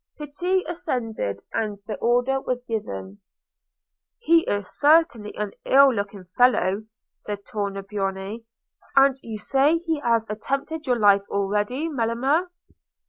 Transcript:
Pitti assented, and the order was given. "He is certainly an ill looking fellow," said Tornabuoni. "And you say he has attempted your life already, Melema?"